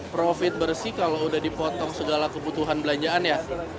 profit bersih kalau udah dipotong segala kebutuhan belanjaan ya